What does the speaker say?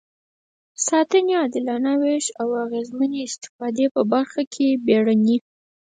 ساتنې، عادلانه وېش او اغېزمنې استفادې په برخه کې بیړني.